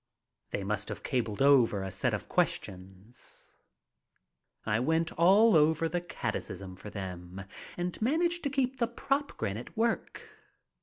They must have cabled over a set of questions. I went all over the catechism for them and managed to keep the "prop" grin at work.